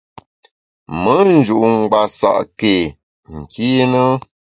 Me nju’ ngbasa’ ke nkîne ?